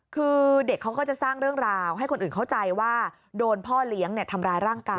คือเด็กเขาก็จะสร้างเรื่องราวให้คนอื่นเข้าใจว่าโดนพ่อเลี้ยงทำร้ายร่างกาย